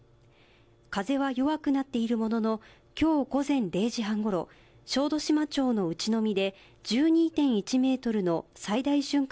風は弱くなっているもののきょう午前０時半ごろ小豆島町の内海で１２．１メートルの最大瞬間